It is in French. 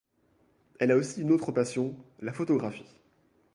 Elle a aussi une autre passion, la photographie.